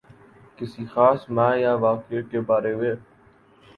کسی خاص مألے یا واقعے کے بارے میں